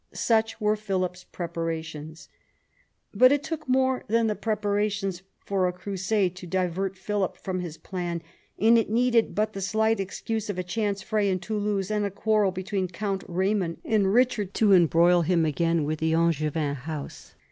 Such were Philip's preparations. But it took more than the preparations for a crusade to divert Philip from his plan, and it needed but the slight excuse of a chance fray in Toulouse and a quarrel between Count Eaymond and Eichard to embroil him again with the Angevin house.